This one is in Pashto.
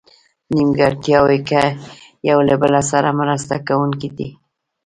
نیمګړتیاوو کې یو له بله سره مرسته کوونکي دي.